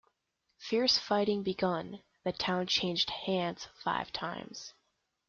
Fierce fighting began; the town changed hands five times.